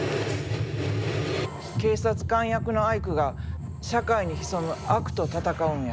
警察官役のアイクが社会に潜む悪と戦うんや。